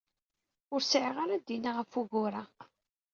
Ur sɛiɣ ara d-iniɣ ɣef wugur-a.